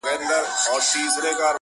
د ماهیانو سوې خوراک مرګ دي په خوا دی.!